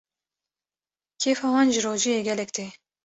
kêfa wan jî rojiyê gelek tê.